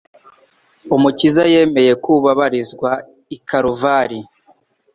Umukiza yemeye kubabarizwa i Karuvali.